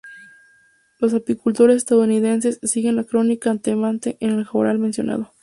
Los apicultores estadounidenses siguen las crónicas atentamente en el journal mencionado.